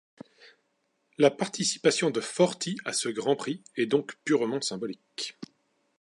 La participation de Forti à ce Grand Prix est donc purement symbolique.